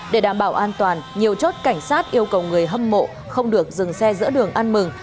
để đảm bảo an toàn nhiều chốt cảnh sát yêu cầu người hâm mộ không được dừng xe giữa đường ăn mừng